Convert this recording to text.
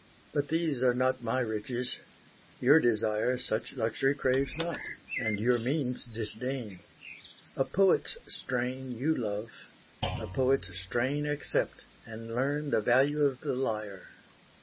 But these are not my riches: your desire Such luxury craves not, and your means disdain: A poet's strain you love; a poet's strain Accept, and learn the value of the lyre.